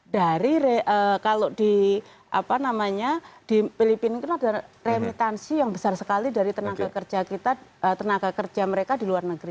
jadi kalau di apa namanya di filipina itu ada remitansi yang besar sekali dari tenaga kerja kita tenaga kerja mereka di luar negeri